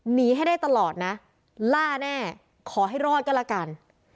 หนีให้ได้ตลอดนะล่าแน่ขอให้รอดก็แล้วกัน